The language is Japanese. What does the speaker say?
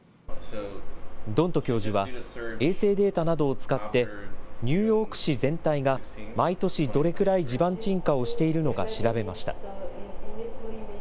ドント教授は、衛星データなどを使って、ニューヨーク市全体が毎年どれくらい地盤沈下をしているのか調べました。